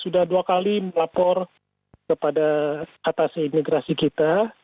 sudah dua kali melapor kepada atas imigrasi kita